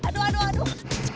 aduh aduh aduh